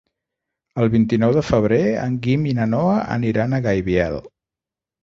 El vint-i-nou de febrer en Guim i na Noa aniran a Gaibiel.